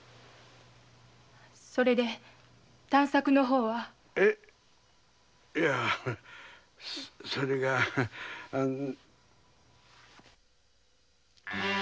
それで探索の方は？え⁉いやそれがあのう。